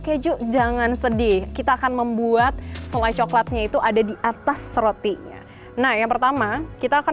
keju jangan sedih kita akan membuat selai coklatnya itu ada di atas rotinya nah yang pertama kita akan